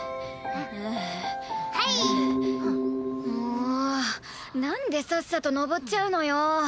もうなんでさっさと上っちゃうのよ？